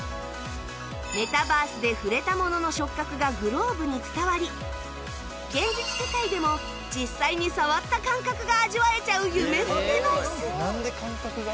メタバースで触れたものの触覚がグローブに伝わり現実世界でも実際に触った感覚が味わえちゃう夢のデバイス！